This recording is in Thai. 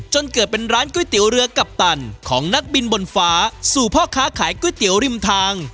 จนเกิดเป็นร้านก๋วยเตี๋ยวเรือกัปตันของนักบินบนฟ้าสู่พ่อค้าขายก๋วยเตี๋ยวริมทาง